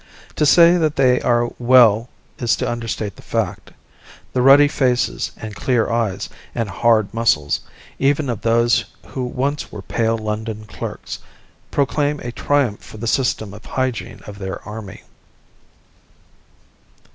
To say that they are well is to understate the fact: the ruddy faces and clear eyes and hard muscles even of those who once were pale London clerks proclaim a triumph for the system of hygiene of their army.